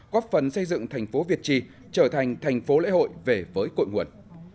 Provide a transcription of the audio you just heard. góp phần xây dựng thành phố việt trì trở thành thành phố lễ hội về với cội nguồn